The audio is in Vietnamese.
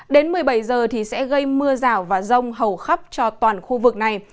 đến một mươi bảy giờ thì sẽ gây mưa rào và rông hầu khắp cho toàn khu vực này